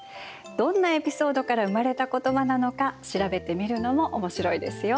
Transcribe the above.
どんなエピソードから生まれた言葉なのか調べてみるのも面白いですよ。